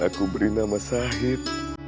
dia akan aku beri nama sahib